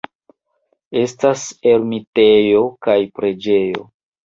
Estas ermitejo kaj preĝejo.